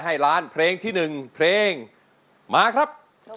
ให้ร้านเพลงที่หนึ่งเพลงมาครับ